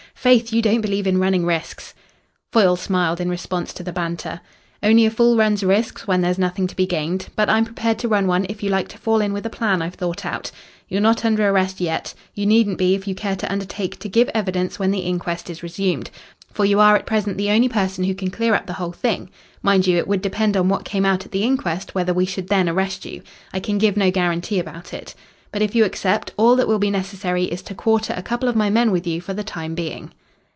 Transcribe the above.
Faith, you don't believe in running risks!" Foyle smiled in response to the banter. "Only a fool runs risks when there's nothing to be gained. But I'm prepared to run one if you like to fall in with a plan I've thought out. You're not under arrest yet. You needn't be if you care to undertake to give evidence when the inquest is resumed. For you are at present the only person who can clear up the whole thing. Mind you, it would depend on what came out at the inquest whether we should then arrest you. I can give no guarantee about it. But if you accept, all that will be necessary is to quarter a couple of my men with you for the time being."